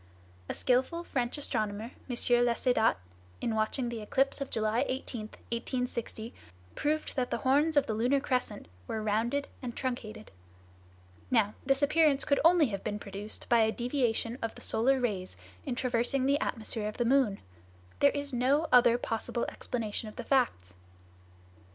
A skillful French astronomer, M. Laussedat, in watching the eclipse of July 18, 1860, probed that the horns of the lunar crescent were rounded and truncated. Now, this appearance could only have been produced by a deviation of the solar rays in traversing the atmosphere of the moon. There is no other possible explanation of the facts."